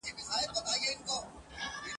چي په یاد زموږ د ټولواک زموږ د پاچا یې ..